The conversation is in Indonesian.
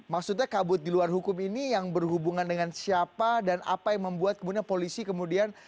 maksudnya kabut di luar hukum ini yang berhubungan dengan siapa dan apa yang membuat kemudian polisi kemudian